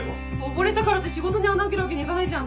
溺れたからって仕事に穴あけるわけにはいかないじゃん。